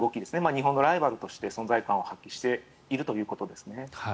日本のライバルとして存在感を発揮しているということですね。